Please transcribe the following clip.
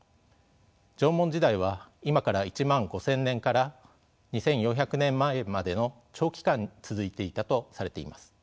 縄文時代は今から１万５，０００年から２，４００年前までの長期間続いていたとされています。